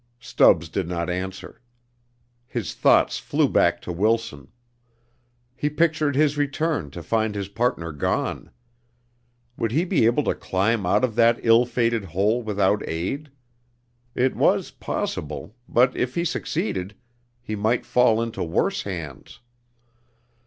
Stubbs did not answer. His thoughts flew back to Wilson. He pictured his return to find his partner gone. Would he be able to climb out of that ill fated hole without aid? It was possible, but if he succeeded, he might fall into worse hands.